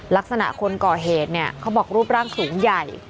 ลักษณะคนก่อเหตุเนี่ยเขาบอกรูปร่างสูงใหญ่